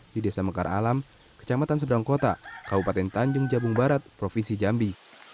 di desa mekar alam kecamatan seberang kota kabupaten tanjung jabung barat provinsi jambi